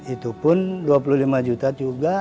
itu pun dua puluh lima juta juga